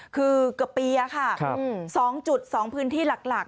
คือกระเปียค่ะ๒จุด๒พื้นที่หลัก